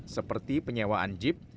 seperti penyewaan jeep